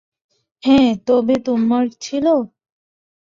হ্যাঁ, তবে তোমার ছিল?